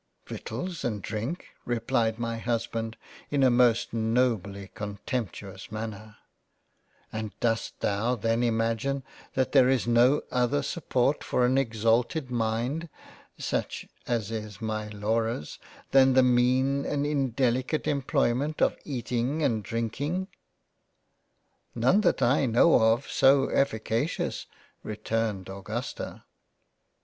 " Victuals and Drink ! (replied my Husband in a most nobly contemptuous Manner) and dost thou then imagine that there is no other support for an exalted mind (such as is my Laura's) than the mean and indelicate employment of Eating and Drinking ?"* None that I know of, so efficacious." (returned Augusta).